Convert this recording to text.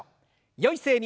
よい姿勢に。